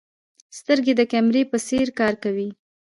سترګې د کیمرې په څېر کار کوي.